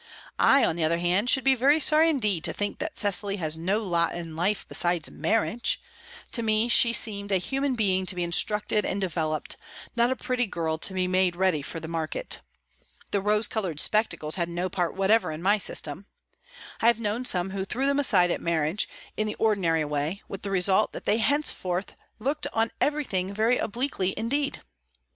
I, on the other hand, should be very sorry indeed to think that Cecily has no lot in life besides marriage; to me she seemed a human being to be instructed and developed, not a pretty girl to be made ready for the market. The rose coloured spectacles had no part whatever in my system. I have known some who threw them aside at marriage, in the ordinary way, with the result that they thenceforth looked on everything very obliquely indeed.